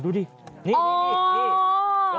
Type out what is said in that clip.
ดูดินี่นี่นี่